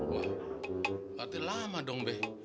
wah berarti lama dong be